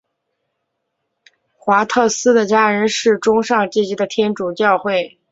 华特斯的家人是中上阶级的天主教会。